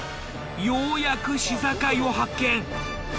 ようやく市境を発見。